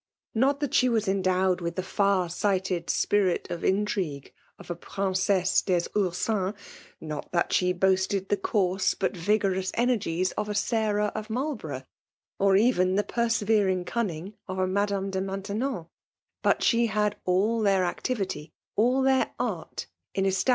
Not that she was en dowed with the far sighted spirit of intrigue of a Princesse des Ursins— not that she boasted the coarse but vigorous energies of a Sarah of Marlborough — or even the persevering cun ning of a Madame de Maintenon; — but sh^ had all their activity — all their art in esta* FEMALE DOMINATION.